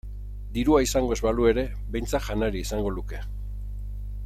Dirua izango ez balu ere behintzat janaria izango luke.